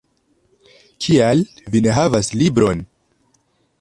Kial vi ne havas libron?